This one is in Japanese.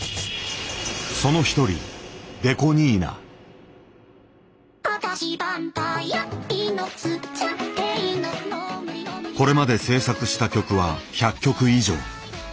その一人これまで制作した曲は１００曲以上。